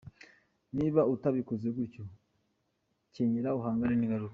Niba utabikoze gutyo kenyera uhangane n’ingaruka.